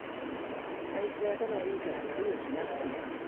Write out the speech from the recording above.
あいつ頭いいからすぐ気がつくよ。